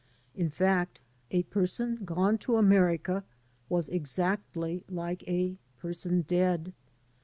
In fact, a person gone to America was exactly like a person dead.